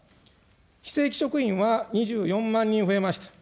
非正規職員は２４万人増えました。